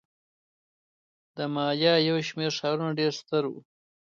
د مایا یو شمېر ښارونه ډېر ستر وو.